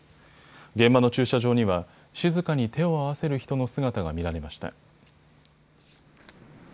現場の駐車場には静かに手を合わせる人の姿が見られました。